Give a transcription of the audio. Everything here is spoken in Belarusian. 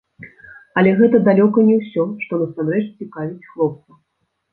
Але гэта далёка не ўсё, што насамрэч цікавіць хлопца.